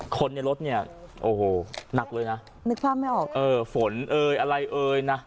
คนในรถเนี่ยโอ้โหหนักเลยนะนึกภาพไม่ออกเออฝนเอ่ยอะไรเอ่ยนะ